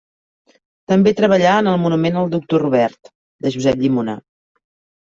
També treballà en el Monument al Doctor Robert, de Josep Llimona.